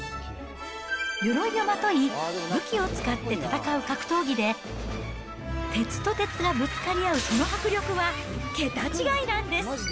よろいをまとい、武器を使って戦う格闘技で、鉄と鉄がぶつかり合うその迫力は桁違いなんです。